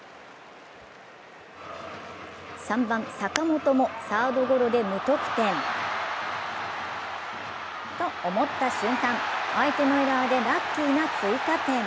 ３番・坂本もサードゴロで無得点。と思った瞬間、相手のエラーでラッキーな追加点。